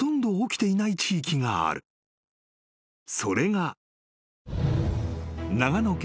［それが］